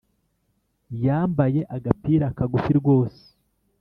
Yambaye agapira kagufi rwose